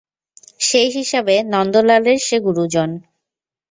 সেই হিসাবে নন্দলালের সে গুরুজন।